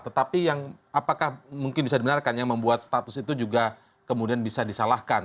tetapi yang apakah mungkin bisa dibenarkan yang membuat status itu juga kemudian bisa disalahkan